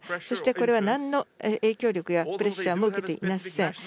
そしてこれはなんの影響やプレッシャーも受けていません。